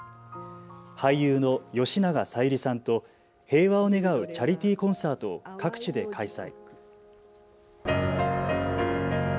俳優の吉永小百合さんと平和を願うチャリティーコンサートを各地で開催。